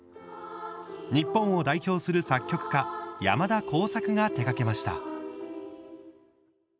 日本を代表する作曲家山田耕筰が手がけました。